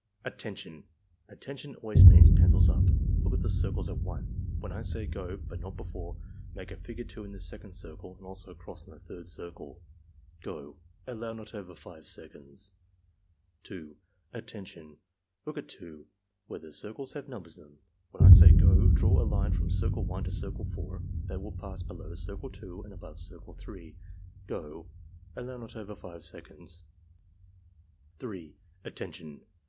"Attention! "Attention' always means 'Pencils up.' Look at the circles at 1. When I say 'go' but not before, make a figure 2 in the second circle and also a cross in the third circle. — Go!" (Allow not over 5 seconds.) 2. "Attention! Look at 2, where the circles have numbers 60 ARMY MENTAL TESTS in them. When I say 'go' draw a line from Circle 1 to Circle 4 that will pass below Circle 2 and above Circle 3. — Go!" (Allow not over 5 seconds.) 3. "Attention!